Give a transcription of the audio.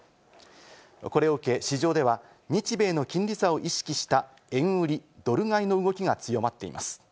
これを受け、市場では日米の金利差を意識した、円売り・ドル買いの動きが強まっています。